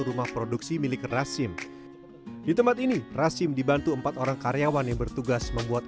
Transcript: rumah produksi milik rasim di tempat ini rasim dibantu empat orang karyawan yang bertugas membuat